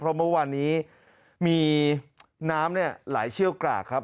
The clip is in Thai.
เพราะว่าวันนี้มีน้ำเนี่ยหลายเชี่ยวกรากครับ